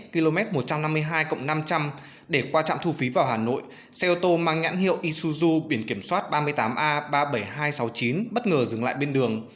km một trăm năm mươi hai năm trăm linh để qua trạm thu phí vào hà nội xe ô tô mang nhãn hiệu isuzu biển kiểm soát ba mươi tám a ba mươi bảy nghìn hai trăm sáu mươi chín bất ngờ dừng lại bên đường